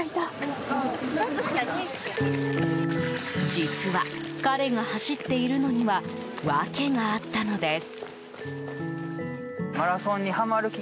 実は彼が走っているのには訳があったのです。